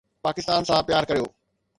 پاڪستان سان پيار ڪريو